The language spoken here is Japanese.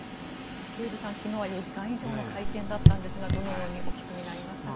デーブさん、昨日は４時間以上の会見だったんですがどのようにお聞きになりましたか。